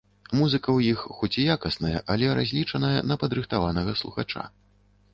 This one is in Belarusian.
Музыка ў іх хоць і якасная, але разлічаная на падрыхтаванага слухача.